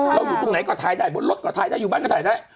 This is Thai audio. อยู่ตรงไหนก็ถ่ายได้บนรถก็ถ่ายได้อยู่บ้านก็ถ่ายได้